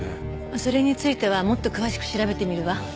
それについてはもっと詳しく調べてみるわ。